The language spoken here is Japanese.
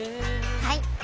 はい！